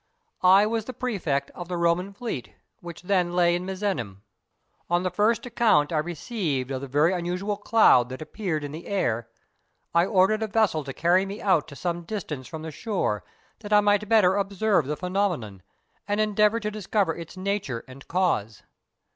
I was the Prefect of the Roman fleet, which then lay at Misenum. On the first account I received of the very unusual cloud that appeared in the air I ordered a vessel to carry me out to some distance from the shore that I might the better observe the phenomenon, and endeavour to discover its nature and cause.